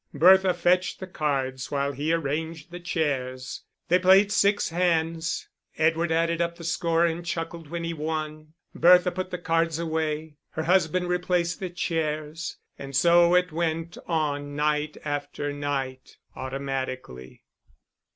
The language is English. Bertha fetched the cards while he arranged the chairs. They played six hands. Edward added up the score and chuckled when he won. Bertha put the cards away, her husband replaced the chairs; and so it went on night after night, automatically.